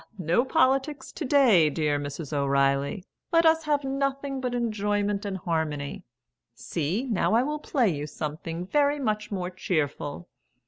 no politics to day, dear Mrs. O'Reilly. Let us have nothing but enjoyment and harmony. See, now, I will play you something very much more cheerful."